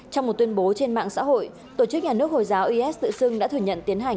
trong một tuyên bố trên mạng xã hội tổ chức nhà nước hồi giáo is tự xưng đã thừa nhận tiến hành